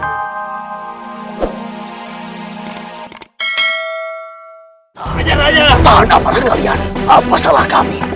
tahan apalah kalian apa salah kami